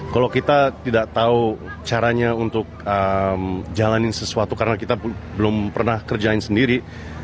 kalau kita tidak tahu caranya untuk jalanin sesuatu karena kita belum pernah kerjain sendiri